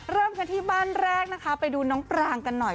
เริ่มกันที่บ้านแรกนะคะไปดูน้องปรางกันหน่อย